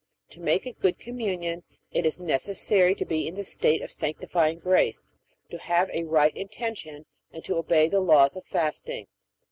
To make a good Communion it is necessary to be in the state of sanctifying grace, to have a right intention, and to obey the laws of fasting.